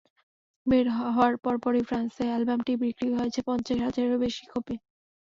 বের হওয়ার পরপরই ফ্রান্সে অ্যালবামটি বিক্রি হয়েছে পঞ্চাশ হাজারেরও বেশি কপি।